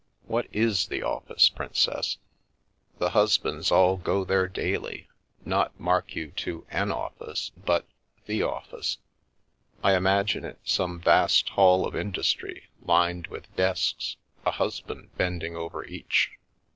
What is 4 the office,' princess ? The husbands all go there daily ; not, mark you, to an office, but the office. I imagine it some vast hall of industry, lined with desks, a husband bending over each."